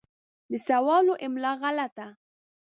د سوالو املا غلطه